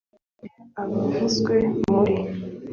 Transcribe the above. Mu gihe abavuzwe muri